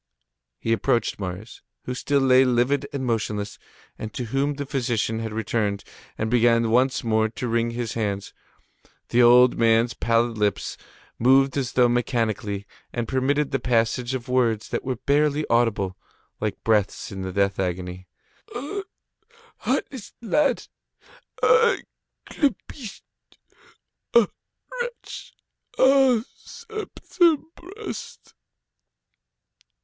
He approached Marius, who still lay livid and motionless, and to whom the physician had returned, and began once more to wring his hands. The old man's pallid lips moved as though mechanically, and permitted the passage of words that were barely audible, like breaths in the death agony: "Ah! heartless lad! Ah! clubbist! Ah! wretch! Ah! Septembrist!"